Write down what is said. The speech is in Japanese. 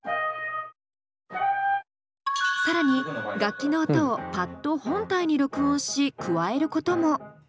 更に楽器の音をパッド本体に録音し加えることも。